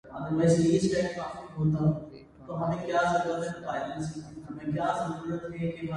Other weak tornadoes touched down that afternoon as well.